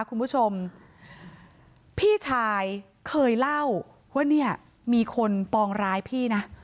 คุณผู้ชมพี่ชายเคยเล่าว่าเนี่ยมีคนปองร้ายพี่นะ